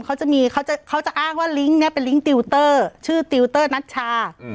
เขาจะมีเขาจะเขาจะอ้างว่าเนี้ยเป็นชื่อนัดชา